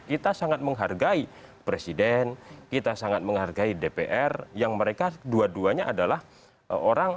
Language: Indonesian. kita sangat menghargai presiden kita sangat menghargai dpr yang mereka dua duanya adalah orang